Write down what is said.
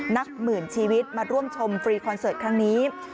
นักหมื่นชีวิตมาร่วมชมฟรีคอนเสิร์ตครั้งนี้